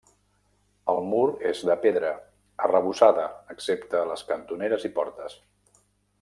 El mur és de pedra, arrebossada excepte a les cantoneres i portes.